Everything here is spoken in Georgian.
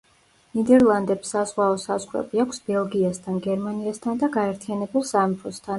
ნიდერლანდებს საზღვაო საზღვრები აქვს ბელგიასთან, გერმანიასთან და გაერთიანებულ სამეფოსთან.